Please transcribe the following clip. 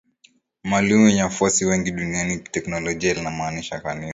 maalumu yenye wafuasi wengi duniani Kiteolojia linamaanisha Kanisa